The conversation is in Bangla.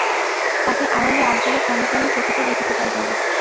তাকে আড়ালে-আবডালে ক্ষণে ক্ষণে চকিতে দেখিতে পাইতাম।